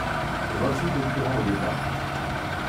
Vingt-huit concurrents au départ.